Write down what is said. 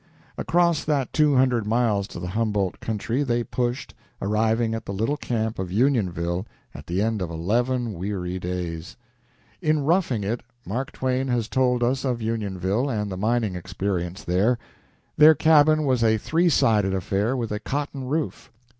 Across that two hundred miles to the Humboldt country they pushed, arriving at the little camp of Unionville at the end of eleven weary days. In "Roughing It" Mark Twain has told us of Unionville and the mining experience there. Their cabin was a three sided affair with a cotton roof.